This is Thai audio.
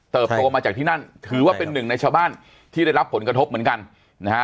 โตมาจากที่นั่นถือว่าเป็นหนึ่งในชาวบ้านที่ได้รับผลกระทบเหมือนกันนะฮะ